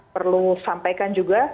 perlu sampaikan juga